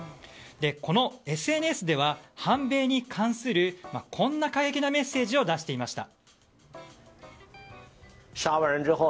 このＳＮＳでは、反米に関するこんな過激なメッセージを出していました。